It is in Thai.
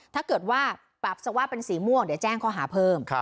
ถ้าเกิดว่าปรับสวะเป็นสีม่วงเดี๋ยวแจ้งข้อหาเพิ่ม